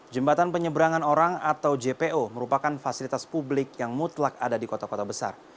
jembatan penyeberangan orang atau jpo merupakan fasilitas publik yang mutlak ada di kota kota besar